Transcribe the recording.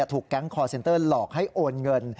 ถูกแก๊งคอร์เซ็นเตอร์หลอกให้โอนเงิน